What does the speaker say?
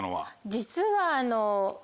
実は。